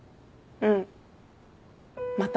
うん。